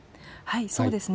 そうですね。